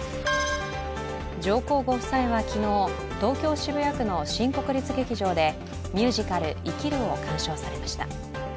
上皇ご夫妻は昨日、東京・渋谷区の新国立劇場でミュージカル「生きる」を鑑賞されました。